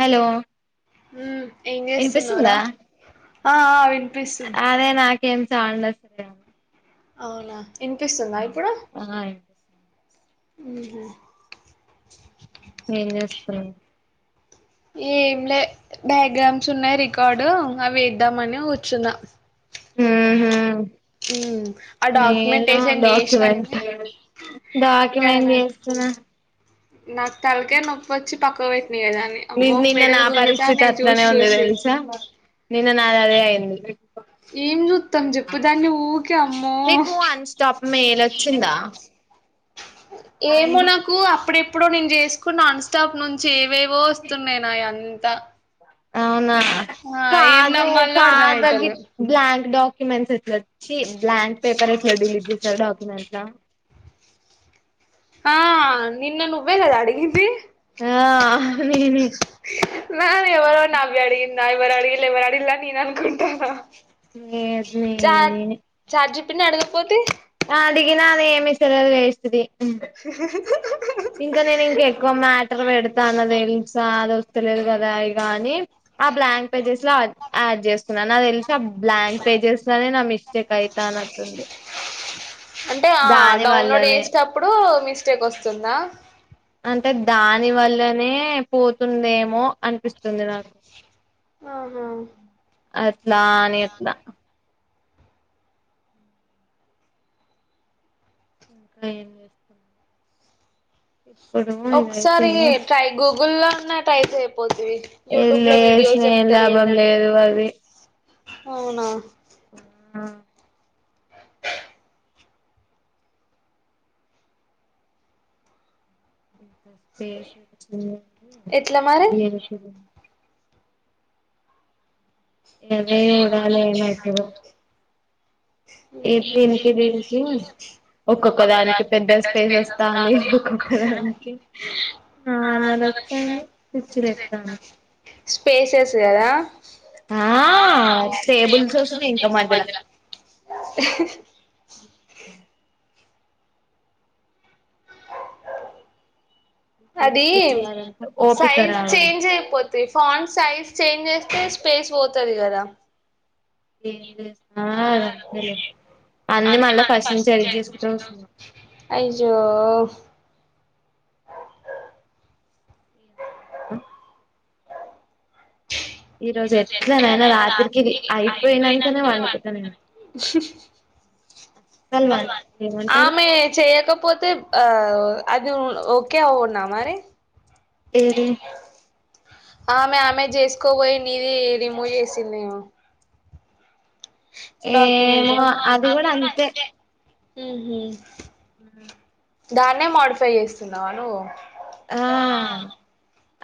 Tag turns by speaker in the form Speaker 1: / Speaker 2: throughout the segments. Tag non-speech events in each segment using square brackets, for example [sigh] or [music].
Speaker 1: Hello
Speaker 2: హ ఏం చేస్తున్నారా
Speaker 1: వినిపిస్తుందా
Speaker 2: ఆ ఆ వినిపిస్తుంది
Speaker 1: కేం చాలన స
Speaker 2: అవునా ఇన్ కేస్ చందా ఇప్పుడ
Speaker 1: ఆ వినిపిస్తుంది.
Speaker 2: అ
Speaker 1: ఏం చేస్తున్నా
Speaker 2: ఏం లే డయాగ్రామ్స్ ఉన్నాయి రికార్డు అవిద్దామని కూర్చుందా ఆ
Speaker 1: నేను
Speaker 2: డాక్యుమెంటేషన్ చేసినా
Speaker 1: డాక్యుమెంట్
Speaker 2: గాని ఇగ
Speaker 1: డాక్యుమెంట్
Speaker 2: నాకు
Speaker 1: చేస్తున్నా
Speaker 2: నాకు తలకే నొప్ప వచ్చి పక్క వ కదాని
Speaker 1: ని
Speaker 2: అమ్మో ఒక
Speaker 1: నిన్న
Speaker 2: మెడల్
Speaker 1: నా
Speaker 2: గుదుతా
Speaker 1: పరిస్థితి
Speaker 2: న చూసి
Speaker 1: అట్లనే ఉంది
Speaker 2: చూసి
Speaker 1: తెలుసా నిన్న నాది అదే అయింది
Speaker 2: ఏం చూస్తాం చెప్పు దాన్ని ఊరికే అమ్మో
Speaker 1: మేలొచ్చిందా
Speaker 2: ఏమో నాకు అప్పుడే ఇప్పుడో నేను చేసుకున్న అన్స్టాప్ నుంచి ఏవేవో వస్తున్నాయి నా అన్ని అంత
Speaker 1: అవునా కాదు
Speaker 2: నమ్మాలో
Speaker 1: కాదుగ
Speaker 2: అర్థమైతలే
Speaker 1: బ్లాంక్ డాక్ కిమాన్ చెట్ల ఛీ బ్లాంక్ పేపర్ కరట్ల డిలీట్ జేస్తారా డాక్యమెంట్స్
Speaker 2: ఆ నిన్న నువ్వే గద అడిగింది
Speaker 1: ఆ నేనే
Speaker 2: నా ఎవరో నవ్వి అడిగింద ఎవరు అడిగిల్లు ఎవరు అడిగిల్లు అని నేను అనుకుంటాను
Speaker 1: ఏ అది నే
Speaker 2: పిటిని అడగకపోతే
Speaker 1: అడిగిన అదేమిస్తదే వేస్ట్ ది ఇంకా నేను ఇంక ఎక్కువ మ్యాటర్ పెడతాను తెలుసా అద లేదు కదా ఇగా అని ఆ బ్లాంక్ పేజెస్ లో ఆడ్ చేస్తూ న్న తెలిసి ఆ బ్లాంక్ పేజెస్ లోనే నా మిస్టేక్ అయితే తానట్టుంది
Speaker 2: అంటే ఆ డౌన్లోడ్ వేసేటప్పుడు మిస్టేక్ వస్తుందా
Speaker 1: అంటే దాని వల్లనే పోతుందేమో అనిపిస్తుంది నాకు
Speaker 2: ఆహా
Speaker 1: అట్లా అని అట్లా ఇంకా ఏం చేస్తున్నా ఇదైతే
Speaker 2: ఒకసారి ఈ ట్రైగో గుల్ళ ఉన్నట్టైతే
Speaker 1: ఏ లే స్నే లాభం
Speaker 2: కదా
Speaker 1: లేదు అది
Speaker 2: అవునా
Speaker 1: ఆ పేసు వచ్చింది
Speaker 2: ఎట్లా మరి
Speaker 1: అది [unintelligible] అదే చూడాలి ఏమైతదో ఏ దీనికి దీనికి ఒక్కొక్క దానికి పెద్ద స్పేస్ వస్తాంది ఒక్కొక్క దానికి నార్మల్ వస్తాంది పిచ్చి లేత్తాంది
Speaker 2: స్పేసెస్ కదా ఆ
Speaker 1: ఆ టేబుల్స్ వస్తున్నాయి ఇంకా మధ్యలో
Speaker 2: అది
Speaker 1: ఏమి చేయాలంటే ఓపిక
Speaker 2: సైజ్
Speaker 1: రావాలి
Speaker 2: చేంజ్ అయిపోతు ఫాంట్ సైజ్ చేంజ్ చేస్తే స్పేస్ పోతది కదా
Speaker 1: ఏం చేస్తా ఆ అది అంతేలే అన్నీ మళ్ళా ఫస్ట్ నుంచి ఎడిట్ చేసుకుంటా కూర్చున్న
Speaker 2: అయ్యో
Speaker 1: ఈ రోజు ఎట్లనైనా రాత్రికి అయిపోయిననికనే వండుకుంటాను నేను అలు వండు
Speaker 2: ఆమె చేయకపోతే ఆ అది ఓకేన్నా మరి
Speaker 1: ఏది
Speaker 2: ఆమె ఆమె చేసుకోబోయి నీది రిమూవ్ చేసింది నేను
Speaker 1: ఏమో
Speaker 2: క్యూమెంట్ అది
Speaker 1: కూడా అంతే
Speaker 2: హ
Speaker 1: ఆ
Speaker 2: దాన్నే మోడిఫై చేస్తున్నావు నువు
Speaker 1: ఆ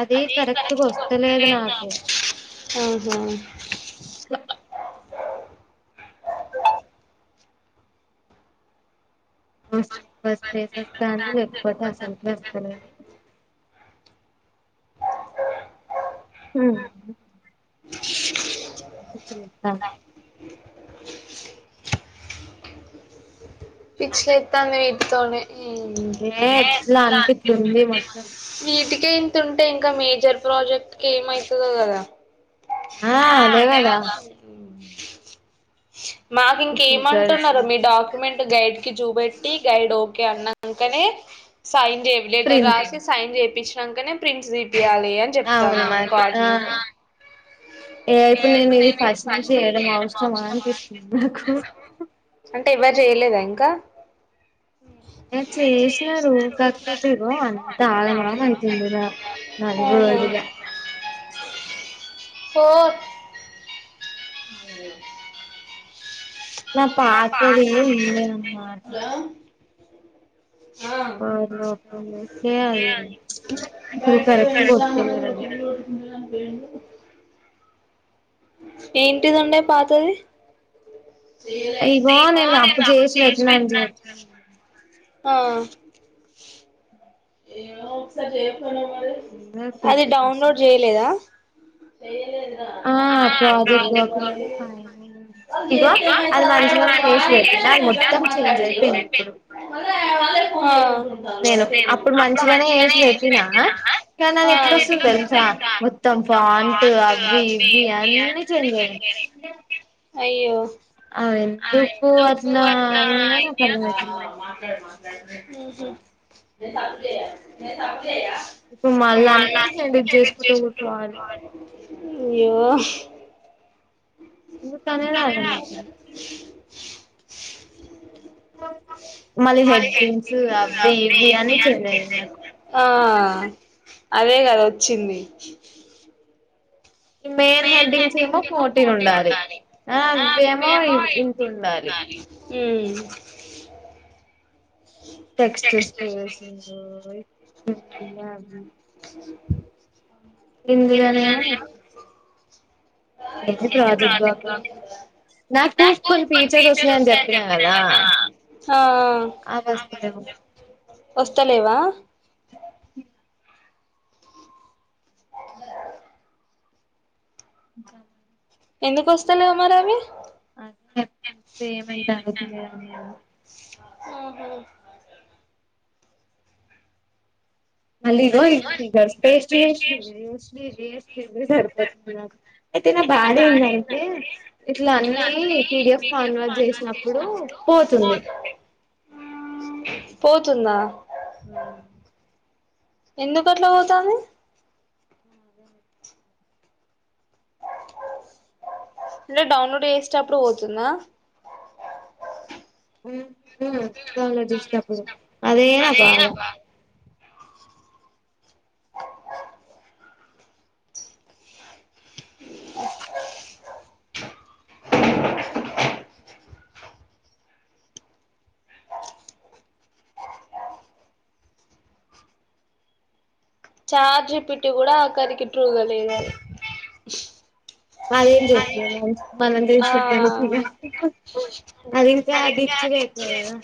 Speaker 1: అది కరెక్ట్గా వస్తలేదు నాకు
Speaker 2: ఆహా
Speaker 1: బస్ ఎక్కువ స్స్ వస్తాండి లేపోతే అసలుట్ వస్తలేదు హ చ్చతా
Speaker 2: పిచ్చలే ఇ తను తనే
Speaker 1: ఏ ఎట్లా అనిపిట్లుంది మొత్తం
Speaker 2: ఇంకే తంటే ఇంకా మేజర్ ప్రాజెక్ట్ క ఏమవుతుందో కదా
Speaker 1: ఆా దేవాదా
Speaker 2: మాకు
Speaker 1: ఫిగర్స్
Speaker 2: ఇంకేమంటున్నారు మీ డాక్యుమెంట్ గైడ్ కి చూపెట్టి గైడ్ ఓకే అన్నాకనే సైన్ చేయ లెటర్ రాసి
Speaker 1: ప్రింటింగ్
Speaker 2: సైన్ చేయి శంకనే ప్రిన్స్ ద యాలి అని
Speaker 1: అవును
Speaker 2: చెప్తాను
Speaker 1: మరి ఆ
Speaker 2: కోఆర్డినేటర్
Speaker 1: ఏ అయిప్పుడు నేను ఇది ఫస్ట్ ను చేయడం అవసరం అనిపిస్తుంది నాకు
Speaker 2: సర వెలేదా ఇంకా
Speaker 1: నే చేసిన ర కాకపోతే రో అంత ఆగమాం అవుతుంది నా
Speaker 2: ఆహా
Speaker 1: నలుగేడులా
Speaker 2: పో
Speaker 1: నా పాతదే ఉన్నాే అమ్మా ఓపెన్ చేస్తే అది ఇప్పుడు కరెక్ట్గా వస్తలేదు
Speaker 2: అంత ఏంటిది ఉండయి పాతది
Speaker 1: అది ఇగో
Speaker 2: అయ్యో నేను
Speaker 1: అప్పుడు
Speaker 2: అప్పు చేసి
Speaker 1: పెట్టినా అని
Speaker 2: పెట్నా
Speaker 1: చెప్పిన కదా
Speaker 2: ఆ ఏ ఒకసారి చేయకు
Speaker 1: ఏదో
Speaker 2: అది
Speaker 1: కోపం
Speaker 2: డౌన్లోడ్
Speaker 1: వస్తుంది
Speaker 2: చేయలేదా ఏయ
Speaker 1: ఆ ప్రాజెక్ట్ డాక్యుమెంట్ ఫైనల్ ఇగో అది మంచిగానే చేసి పెట్టినా అది మొత్తం చేంజ్ అయిపోయింది ఇప్పుడు
Speaker 2: [unintelligible]
Speaker 1: నేను అప్పుడు మంచి మంచిగానే వేసి పెట్టినా కానీ అని ఎట్లాస్తది తెలుసా మొత్తం పాంట అవి ఇవవి అన్ని చేంజ్ అయినాయి
Speaker 2: అయ్యో
Speaker 1: ఆ ఎందుకు అట్లా అయిందని నాకు అర్థమయితలేదు
Speaker 2: ఉహు
Speaker 1: ఇప్పుడు మళ్ళా అన్ని ఎడిట్ చేసుకుంటే కూర్చోవాలి
Speaker 2: అయ్యో
Speaker 1: ఉ తనే నా దగ్గర మళ్ళీ హెడ్డింగ్స్ అవి ఇవి అని చె
Speaker 2: ఆ అదే కదా వచ్చింది
Speaker 1: ఉ మెయిన్ హెడ్డింగ్స్ ఏమో ఫోర్టీన్ ఉండాలి ఆ ఇవేమో ఇంత ఉండాలి
Speaker 2: ఉమ్
Speaker 1: టెక్స్ట్ స్పేస్ అవి ఇవి ఇందులోనేమో నేను
Speaker 2: ఉ ప్రాజెక్ట్
Speaker 1: డాక్యుమెంట్
Speaker 2: నాకు కొన్ని ఫీచర్ వస్తాయని చెప్పిన కదా
Speaker 1: అవి వస్తలేవు
Speaker 2: వస్తలేవా డాగు అరుపు
Speaker 1: మనం
Speaker 2: ఎందుకు వస్తలేవు అవి
Speaker 1: అది పేమెంట్ అడుగుతుంది
Speaker 2: ఉహు
Speaker 1: మళ్ళీ ఈరోజు జస్ట్ పేస్టు చేస్తుంది సరిపోతుంది నాకు అయితే నా బానే ఏందంటే ఇట్లా అన్నీ పిడిఎఫ్ కన్వర్ట్ చేసినప్పుడు పోతుంది
Speaker 2: పోతుందా ఎందుకట్లా పోతుంది
Speaker 1: ఉ
Speaker 2: అంటే డౌన్లోడ్ చేసేప్పుడు పోతుందా
Speaker 1: హు హు అదే నా బాధ
Speaker 2: డాగ్ సౌండ్ చార్జి పెట్టికూడా ఆఖరికి ట్రూగలేదు అది
Speaker 1: అదేం చెప్తది మంచ్ మనం
Speaker 2: ఆ
Speaker 1: చేసే పనికి ఇగ అది ఇంకా డిచ్ గయితది కదా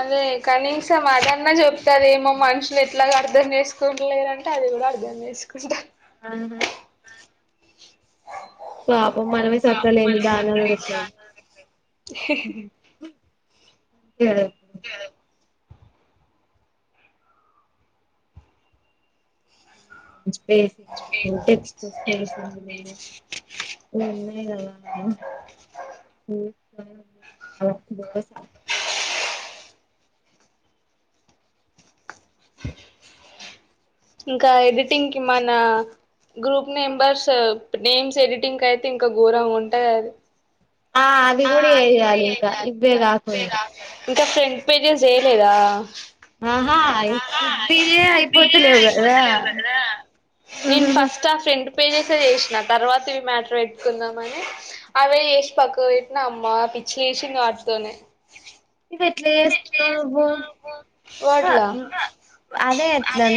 Speaker 2: అదే కనీసం అదన్నా చెప్తాదేమో మనుషులు ఎట్లాగ అర్థం చేసుకు కుంటలేరంటే అది కూడా అర్థం చేేసుకుంటా
Speaker 1: ఆహ పాపం మనమే చక్క లేని దాన్ని అడుగుడు ఎక్కడిది అదె గదా
Speaker 2: కె వ్
Speaker 1: స్పేసింగులు టెక్స్ట్ స్పేసింగ్లు ఇవి ఉన్నాయి కదా ఆ [unintelligible] దోసా
Speaker 2: ఇంకా ఎడిటింగ్ కి మన గ్రూప్ మెంబర్స్ నేమ్స్ ఎడిటింగ్ అయితే ఇంకా ఘోరంగా ఉంటదది
Speaker 1: ఆ అది కూడా ఏయ్యాలి ఇంకా ఇవ్వే కాకుండా
Speaker 2: ఇంకా ఫ్రెంట్ పేజెస్ చెయ్యలేదా
Speaker 1: ఆహా [unintelligible] అయిపోతులేవ్ కదరా
Speaker 2: పేజెస్ ఎ చేసినా తర్వాత ఇవి మ్యాటర్ పెట్టుకుందాం అని అవే చేసి పక్కకి పెట్టినా అమ్మా పిచ్చి లెషింది వాటితోనే
Speaker 1: ఇవి ఎట్లా చేస్తున్నావు నువ్వు అ
Speaker 2: వాట్లా
Speaker 1: మ్ అదే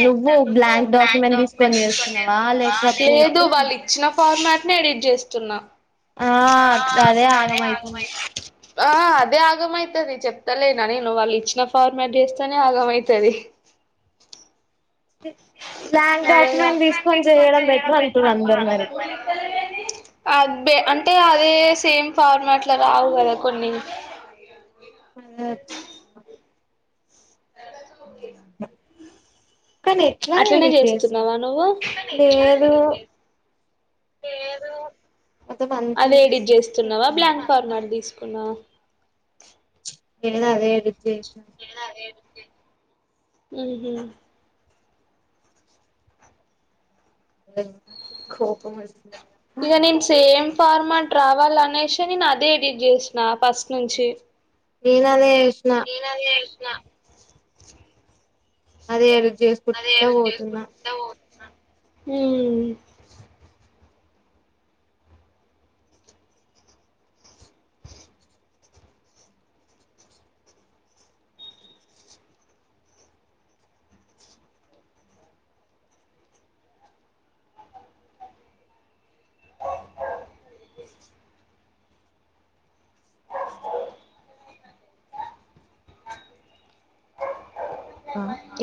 Speaker 1: నువ్వు బ్లాంక్ డాక్యుమెంట్ తీసుకొని చేస్తున్నావా లేకపోతే
Speaker 2: నేన్ ఎడిట్ చేస్తున్నా
Speaker 1: ఆ గదే ఆగమ్ అయితుంది
Speaker 2: ఆ అదే ఆగమైతది చెప్ చెప్తలేనా నేను వాళ్ళు ఇచ్చిన ఫార్మాట్ చేస్తేనే ఆగమైతది
Speaker 1: ల్యాండ్ డాక్యుమెంట్ తీసుకొని చేయడం బెటర్ అంటుర్రు అందరు మరి
Speaker 2: అబ్బే అంటే అదే సేమ్ ఫార్మాట్ల రావు కదా కొన్ని
Speaker 1: పండగ వచ్చింది అనుకో ఉ హు
Speaker 2: అట్లనే చేస్తున్నావా నువ్వు
Speaker 1: లేదు మొత్తం అంతా
Speaker 2: అదె
Speaker 1: మిస్
Speaker 2: ఎడిట్
Speaker 1: మిస్
Speaker 2: చేస్తున్నావా బ్లాంక్
Speaker 1: అయితాంది
Speaker 2: కార్నర్ తీసుకున్నావా
Speaker 1: నేను అదే ఎడిట్ జేశిన
Speaker 2: మ్మహ్
Speaker 1: [unintelligible] కోపమొస్తుంది
Speaker 2: ఇగ నేన్ సేమ్ ఫార్మాట్ రావాల అనేశి నేను అదే ఎడిట్ చేసిన ఫస్ట్ నుంచి
Speaker 1: నేను అదే ఎడి
Speaker 2: ఏన నా
Speaker 1: అదే ఎడిట్
Speaker 2: అదే
Speaker 1: చేసుకుంటా
Speaker 2: అది
Speaker 1: పోతున్నా
Speaker 2: చేసుకుంటపో హ్మ్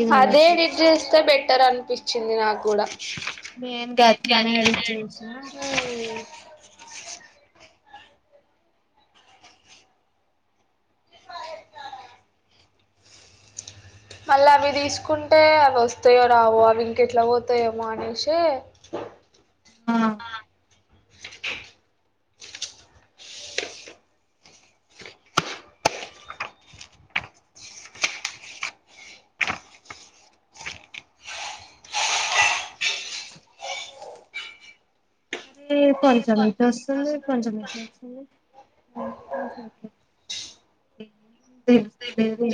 Speaker 1: ఇదేమో
Speaker 2: అదే నిద్రిస్త పెట్ ఇంటర్ అనిపించింది నా క్కూడా
Speaker 1: నేను గట్లనే అడిగి చూసిన
Speaker 2: మళ్ళ అవి తీసుకుంటే అవి వస్తాయో రావో అవి ఇంక ఎట్లా పోతాయేమో అనేసి ఆ
Speaker 1: అరే కొంచెం ఇటు వస్తుంది కొంచెం ఇటు వస్తుంది స తెలుస్తులేదే